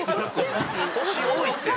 星多いって！